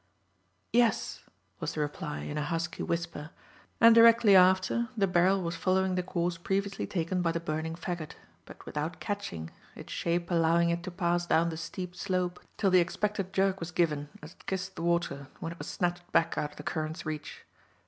"Yes," was the reply, in a husky whisper, and directly after the barrel was following the course previously taken by the burning faggot, but without catching, its shape allowing it to pass down the steep slope, till the expected jerk was given as it kissed the water, when it was snatched back out of the current's reach.